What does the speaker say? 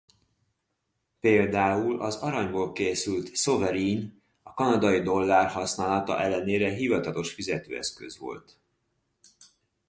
Például az aranyból készült sovereign a kanadai dollár használata ellenére hivatalos fizetőeszköz volt.